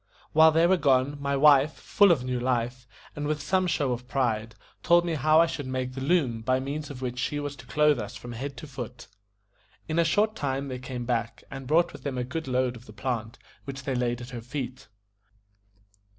While they were gone, my wife, full of new life, and with some show of pride, told me how I should make the loom by means of which she was to clothe us from head to foot. In a short time they came back, and brought with them a good load of the plant, which they laid at her feet.